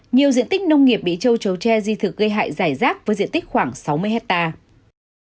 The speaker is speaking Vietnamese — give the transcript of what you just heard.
nhiều diện tích nông nghiệp bị châu chấu tre di thực gây hại giải rác với diện tích khoảng sáu mươi hectare